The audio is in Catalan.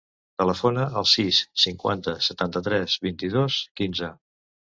Telefona al sis, cinquanta, setanta-tres, vint-i-dos, quinze.